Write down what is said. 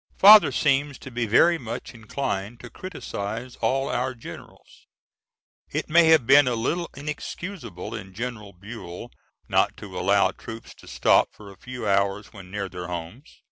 Father seems to be very much inclined to criticise all our generals. It may have been a little inexcusable in General Buell not to allow troops to stop for a few hours when near their homes.